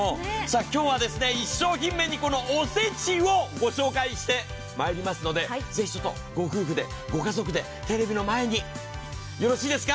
今日は１商品目にこのおせちをご紹介してまいりますので、ぜひ御夫婦で御家族でテレビの前に、よろしいですか。